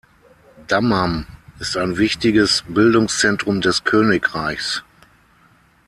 Dammam ist ein wichtiges Bildungszentrum des Königreichs.